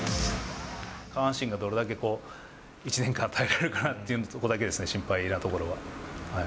下半身がどれだけこう、１年間耐えられるかなっていうところだけですね、心配なところは。